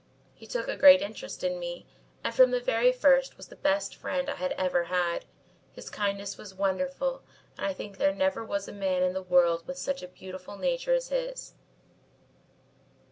He took a great interest in me and from the very first was the best friend I had ever had. His kindness was wonderful and I think there never was a man in the world with such a beautiful nature as his.